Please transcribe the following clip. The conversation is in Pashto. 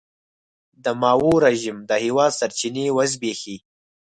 د ماوو رژیم د هېواد سرچینې وزبېښي.